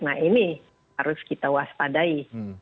nah ini harus kita waspadai